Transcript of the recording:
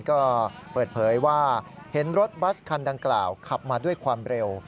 ก็เปิดเผยว่าเห็นรถบัสคันดังกล่าวขับมาด้วยความเร็ว